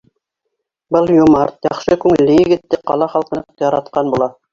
Был йомарт, яҡшы күңелле егетте ҡала халҡы ныҡ яратҡан була.